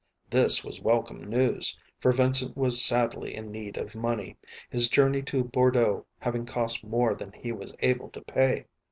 This was welcome news, for Vincent was sadly in need of money, his journey to Bordeaux having cost more than he was able to pay.